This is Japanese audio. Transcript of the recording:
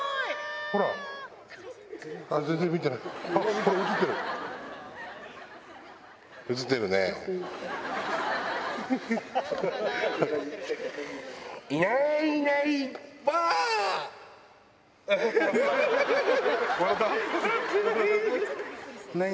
ほら、全然見てない。